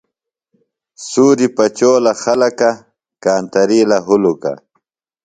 سُوری پچولہ خلکہ، کانترِیلہ ہُلُکہ